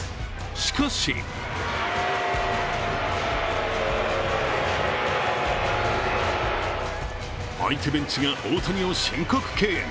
しかし相手ベンチが、大谷の申告敬遠。